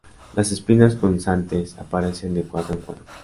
Las espinas punzantes aparecen de cuatro en cuatro.